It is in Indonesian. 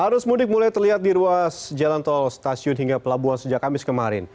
arus mudik mulai terlihat di ruas jalan tol stasiun hingga pelabuhan sejak kamis kemarin